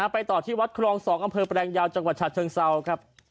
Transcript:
ไปต่อที่วัดครอง๒อำเภอแปลงยาวจังหวัดชาติเชิงเซาครับ